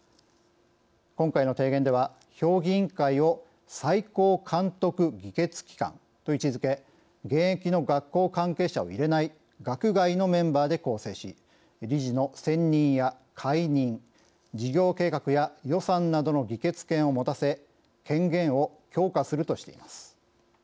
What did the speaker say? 今回の提言では評議員会を最高監督・議決機関と位置づけ現役の学校関係者を入れない学外のメンバーで構成し理事の選任や解任事業計画や予算などの議決権を持たせ権限を強化するとしています。